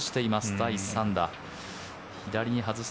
第３打。